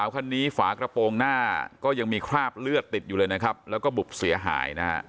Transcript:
คันนี้ฝากระโปรงหน้าก็ยังมีคราบเลือดติดอยู่เลยนะครับแล้วก็บุบเสียหายนะฮะ